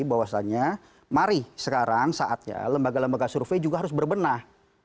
bahwasannya mari sekarang saatnya lembaga lembaga survei juga harus berbenah